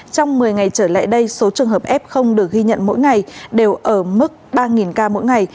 trong một mươi ngày trở lại đây số trường hợp f được ghi nhận mỗi ngày đều ở mức ba ca mỗi ngày